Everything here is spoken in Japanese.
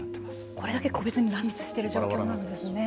これだけ個別に乱立している状況なんですね。